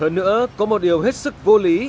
hơn nữa có một điều hết sức vô lý